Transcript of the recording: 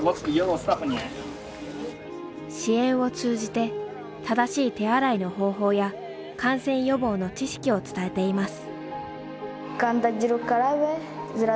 支援を通じて正しい手洗いの方法や感染予防の知識を伝えています。